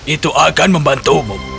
itu akan membantumu